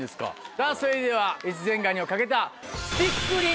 さぁそれでは越前がにを懸けた。